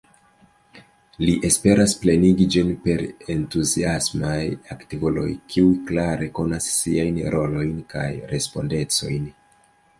Li esperas plenigi ĝin per entuziasmaj aktivuloj, kiuj klare konas siajn rolojn kaj respondecojn.